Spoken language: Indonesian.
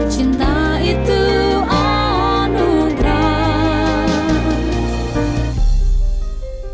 cinta itu anugerah